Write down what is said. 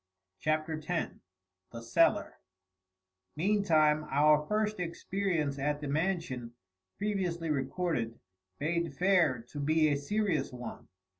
CHAPTER X The Cellar Meantime our first experience at the Mansion, previously recorded, bade fair to be a serious one.